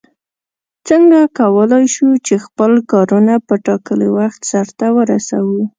څنگه کولای شو چې خپل کارونه په ټاکلي وخت سرته ورسوو؟